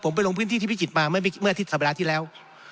ผมไปลงพื้นที่ที่พิจิตรมาเมื่ออาทิตย์สัปดาห์ที่แล้ว